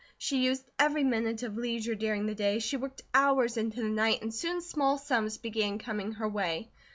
She used every minute of leisure during the day, she worked hours into the night, and soon small sums began coming her way.